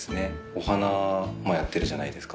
お花やってるじゃないですか。